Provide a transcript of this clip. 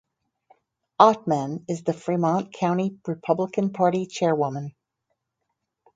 Ottman is the Fremont County Republican Party chairwoman.